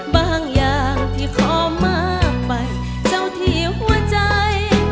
บางอย่างที่ขอมากไปเจ้าที่หัวใจ